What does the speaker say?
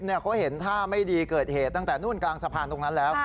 เขาเห็นท่าไม่ดีเกิดเหตุตั้งแต่นู่นกลางสะพานตรงนั้นแล้ว